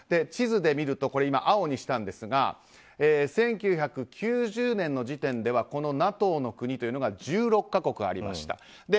地図で見ると今、青にしたんですが１９９０年時点ではこのＮＡＴＯの国が１６か国ありました。